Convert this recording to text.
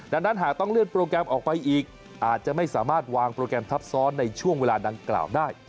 ดังนั้นหากต้องเลื่อนโปรแกรมออกไปอีกอาจจะไม่สามารถวางโปรแกรมทับซ้อนในช่วงเวลาดังกล่าวได้